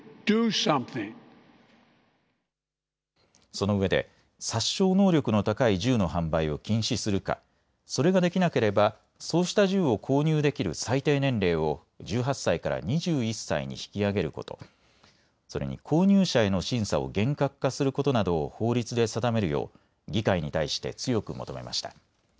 そのうえで殺傷能力の高い銃の販売を禁止するか、それができなければそうした銃を購入できる最低年齢を１８歳から２１歳に引き上げること、それに購入者への審査を厳格化することなどを法律で定めるよう議会に対して強く求めました。